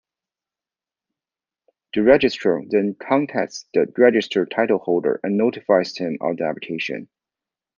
The registrar then contacts the registered title holder and notifies him of the application.